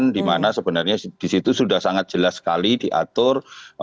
dimana sebenarnya disitu sudah sangat jelas sekali diatur